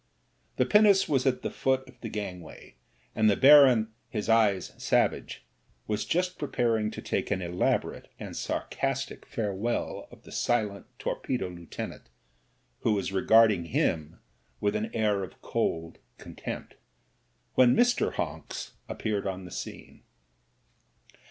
The pinnace was at the foot of the gangway, and the Baron — ^his eyes savage — ^was just preparing to take an elaborate and sarcastic farewell of the silent torpedo lieutenant, who was regarding him with an air of cold contempt, when Mr. Honks appeared on the scene.